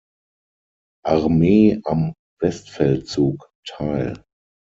Armee am Westfeldzug teil.